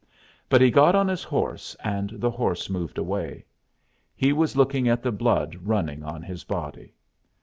But he got on his horse, and the horse moved away. He was looking at the blood running on his body.